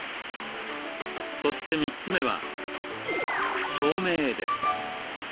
そして３つ目は照明です。